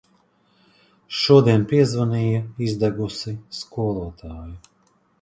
Šodien piezvanīja izdegusi skolotāja.